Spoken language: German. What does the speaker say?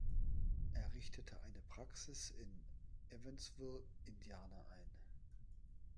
Er richtete eine Praxis in Evansville, Indiana, ein.